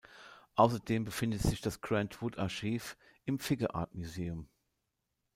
Außerdem befindet sich das Grant Wood Archiv im Figge Art Museum.